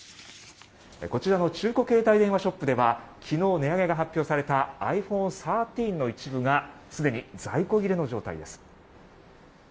こちらの中古携帯電話ショップでは昨日、値上げが発表されたｉＰｈｏｎｅ１３の一部がすでに在庫切れの状態です。